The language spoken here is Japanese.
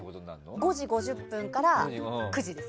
５時５０分から９時です。